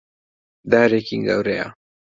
دارێکی گەورەیە.